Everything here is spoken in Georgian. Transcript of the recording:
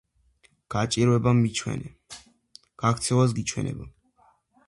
გაჭირვება მიჩვენე, გაქცევას გიჩვენებო